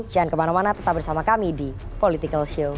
jangan kemana mana tetap bersama kami di politikalshow